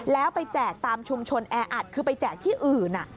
แล้วไปแจกตามชุมชนแออัดคือไปแจกที่อื่น